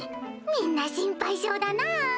みんな心配性だなぁ。